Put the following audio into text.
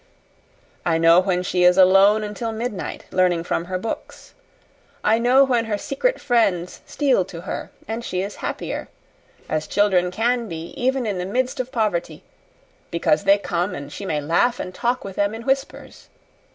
I know when she is alone until midnight, learning from her books; I know when her secret friends steal to her and she is happier as children can be, even in the midst of poverty because they come and she may laugh and talk with them in whispers.